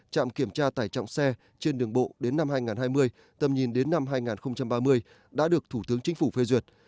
trạm kiểm tra tải trọng xe trên đường bộ đến năm hai nghìn hai mươi tầm nhìn đến năm hai nghìn ba mươi đã được thủ tướng chính phủ phê duyệt